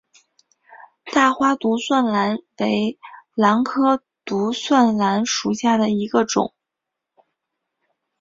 大花独蒜兰为兰科独蒜兰属下的一个种。